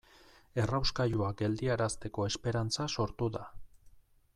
Errauskailua geldiarazteko esperantza sortu da.